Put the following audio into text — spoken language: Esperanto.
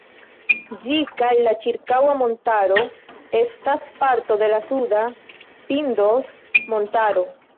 Ĝi kaj la ĉirkaŭa montaro estas parto de la suda "Pindos"-montaro.